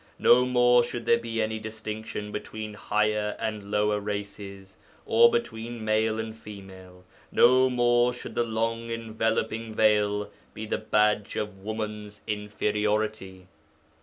No more should there be any distinction between higher and lower races, or between male and female. No more should the long, enveloping veil be the badge of woman's inferiority.